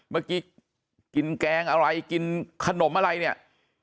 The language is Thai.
เมื่อกี้กินแกงอะไรกินขนมอะไรเนี่ย